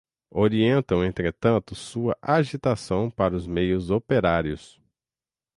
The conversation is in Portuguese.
orientam entretanto sua agitação para os meios operários